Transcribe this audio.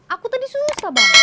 aku tadi susah bang